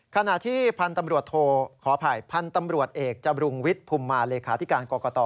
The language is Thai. ขณะที่พันธุ์ตำรวจโทขออภัยพันธ์ตำรวจเอกจบรุงวิทย์ภูมิมาเลขาธิการกรกต